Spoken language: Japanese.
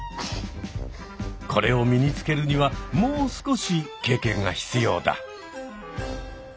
これを身につけるにはもう少し経験が必要だ。